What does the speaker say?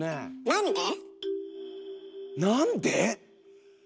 なんで？